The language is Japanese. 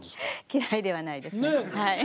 嫌いではないですはい。